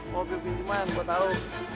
mobil pinjeman gua tahu